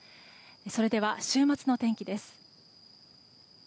それでは、週末の天気です。